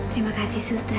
terima kasih sista